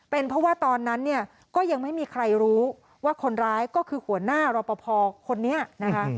เป็นเพราะว่าตอนนั้นเนี่ยก็ยังไม่มีใครรู้ว่าคนร้ายก็คือหัวหน้ารอปภคนนี้นะคะ